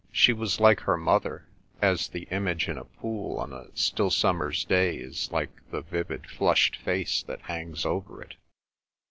She was like her mother, as the image in a pool on a still summer's day is like the vivid flushed face that hangs over it.